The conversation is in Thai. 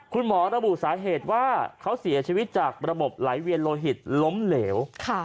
คุณหมอระบุสาเหตุว่าเขาเสียชีวิตจากระบบไหลเวียนโลหิตล้มเหลว